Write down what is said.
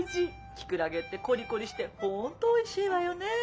キクラゲってコリコリして本当おいしいわよね。